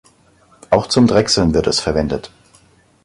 Auch zum Drechseln wird es verwendet.